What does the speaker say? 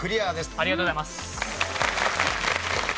ありがとうございます。